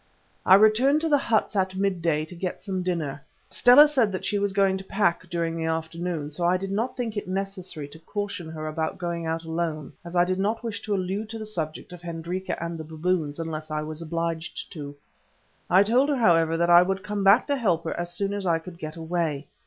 I returned to the huts at mid day to get some dinner. Stella said that she was going to pack during the afternoon, so I did not think it necessary to caution her about going out alone, as I did not wish to allude to the subject of Hendrika and the baboons unless I was obliged to. I told her, however, that I would come back to help her as soon as I could get away.